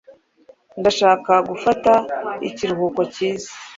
Ndashaka gufata ikiruhuko cyiza.